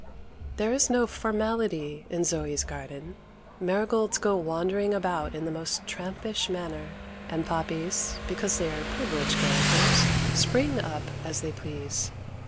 There is no formality in Zoe's garden. Marigolds go wandering about in the most trampish manner, and poppies, because they are privileged characters, spring up as they please.